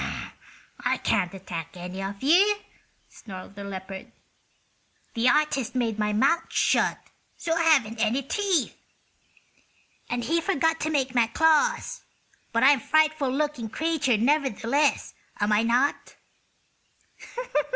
"I can't attack any of you," snarled the leopard. "The artist made my mouth shut, so I haven't any teeth; and he forgot to make my claws. But I'm a frightful looking creature, nevertheless; am I not?"